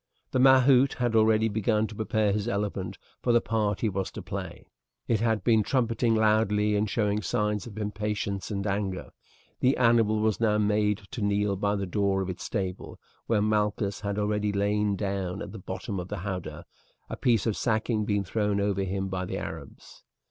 The mahout had already begun to prepare his elephant for the part he was to play. It had been trumpeting loudly and showing signs of impatience and anger. The animal was now made to kneel by the door of its stable, where Malchus had already lain down at the bottom of the howdah, a piece of sacking being thrown over him by the Arabs.